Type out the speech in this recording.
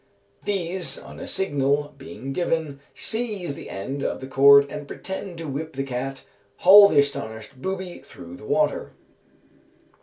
These, on a signal being given, seize the end of the cord, and, pretending to whip the cat, haul the astonished booby through the water."